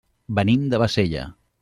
Venim de Bassella.